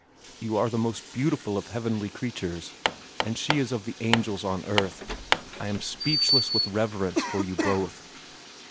You are the most beautiful of heavenly creatures, as she is of the angels on earth. I am speechless with reverence for you both."